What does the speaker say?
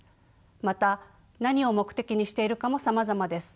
また何を目的にしているかもさまざまです。